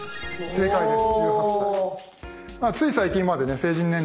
正解です。